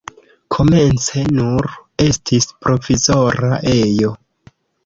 Komence nur estis provizora ejo.